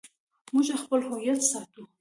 موږ خپل هویت ساتو